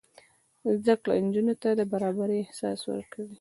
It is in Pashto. زده کړه نجونو ته د برابرۍ احساس ورکوي.